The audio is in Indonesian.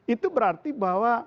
itu berarti bahwa